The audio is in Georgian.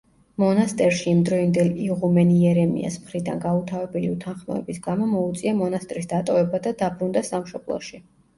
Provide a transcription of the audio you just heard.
მონასტერში იმდროინდელ იღუმენ იერემიას მხრიდან გაუთავებელი უთანხმოების გამო მოუწია მონასტრის დატოვება და დაბრუნდა სამშობლოში.